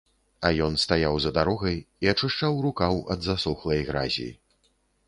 А ён стаяў за дарогай і ачышчаў рукаў ад засохлай гразі.